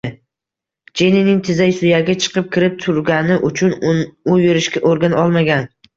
Jenining tizza suyagi chiqib-kirib turgani uchun u yurishga o`rgana olmagan